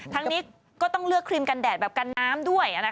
ทั้งนี้ก็ต้องเลือกครีมกันแดดแบบกันน้ำด้วย